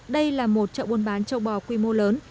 đây là một chợ buôn bán châu bò quy mô lớn